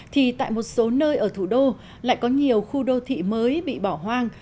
thì tại một số nơi ở thủ đô lại có nhiều khu đô thị mới bị bỏ hoang